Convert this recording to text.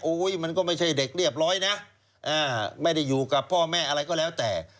มันก็ไม่ใช่เด็กเรียบร้อยนะไม่ได้อยู่กับพ่อแม่อะไรก็แล้วแต่